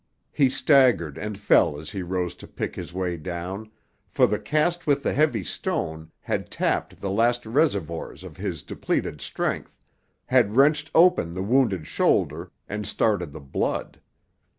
He staggered and fell as he rose to pick his way down, for the cast with the heavy stone had tapped the last reservoirs of his depleted strength, had wrenched open the wounded shoulder and started the blood.